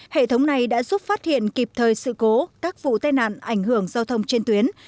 hệ thống này đã giúp phát hiện kịp thời sự cố các vụ tai nạn ảnh hưởng giao thông trên tuyến